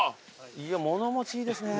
いや物持ちいいですね。